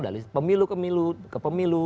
dari pemilu ke pemilu